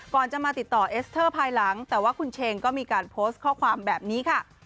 ก่อนจะมาติดต่อเอสเตอร์ภายหลังแต่ว่าคุณเชงก็มีการโพสต์ข้อความแบบนี้ค่ะ